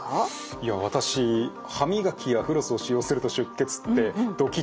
いや私「歯磨きやフロスを使用すると出血」ってドキッとしちゃいました。